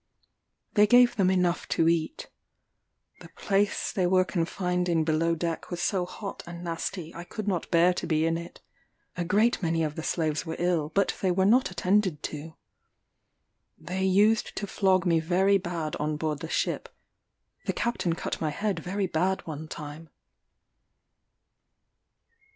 They gave them enough to eat. The place they were confined in below deck was so hot and nasty I could not bear to be in it. A great many of the slaves were ill, but they were not attended to. They used to flog me very bad on board the ship: the captain cut my head very bad one time.